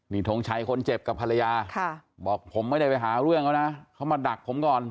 นี่ทงชัยคนเจ็บกับภรรยาบอกผมไม่ได้ไปหาเรื่องเขานะเขามาดักผมก่อน